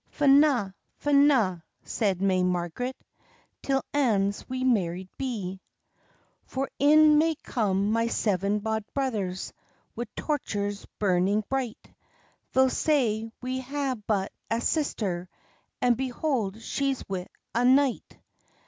"Fye na, fye na," said may Margaret, "'Till anes we married be. "For in may come my seven bauld brothers, Wi' torches burning bright; They'll say,—'We hae but ae sister, And behold she's wi a knight!